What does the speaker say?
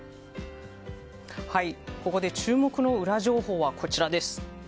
ここで注目のウラ情報はこちらです。